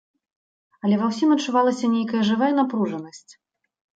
Але ва ўсім адчувалася нейкая жывая напружанасць.